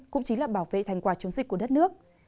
cũng chính là bảo vệ thành quả chống dịch của đất nước